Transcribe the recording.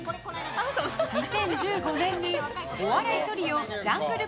２０１５年にお笑いトリオジャングル